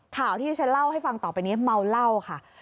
ข่าวที่ที่ฉันเล่าให้ฟังต่อไปนี้เมาเหล้าค่ะ